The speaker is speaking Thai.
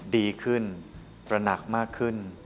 ดีขึ้นตระหนักมากขึ้น